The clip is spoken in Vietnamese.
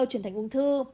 chuyển thành ung thư